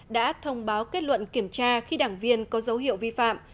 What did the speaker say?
đã thông báo kết luận kiểm tra khi đảng viên có dấu hiệu vi phạm